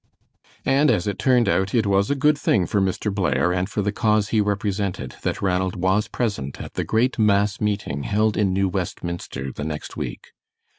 And as it turned out it was a good thing for Mr. Blair and for the cause he represented that Ranald was present at the great mass meeting held in New Westminster the next week.